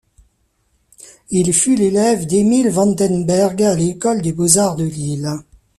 Il fut l'élève d'Émile Vandenbergh à l'école des beaux-arts de Lille.